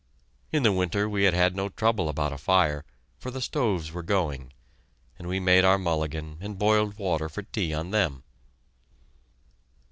In the winter we had had no trouble about a fire, for the stoves were going, and we made our mulligan and boiled water for tea on them.